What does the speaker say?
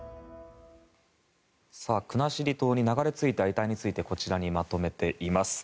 国後島に流れ着いた遺体についてこちらにまとめています。